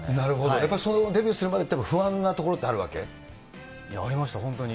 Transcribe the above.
やっぱりそのデビューするまでっていうのは不安なところってあるわけ？ありました、本当に。